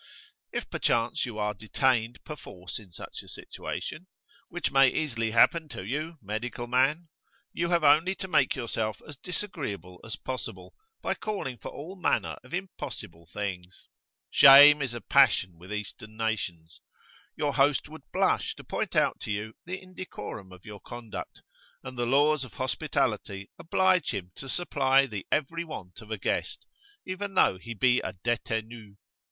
If perchance you are detained perforce in such a situation, which may easily happen to you, medical man, you have only to make yourself as disagreeable as possible, by calling for all manner of impossible things. Shame is a passion with Eastern nations. Your host would blush to point out to you the indecorum of your conduct; and the laws of hospitality oblige him to supply the every want of a guest, even though he be a detenu.